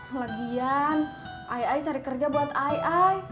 lagian ai ai cari kerja buat ai ai